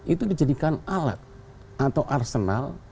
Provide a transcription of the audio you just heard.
itu dijadikan alat atau arsenal